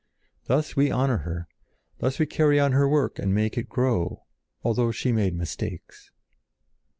Thus we honor her; thus we carry on her work and make it grow—although she made mistakes."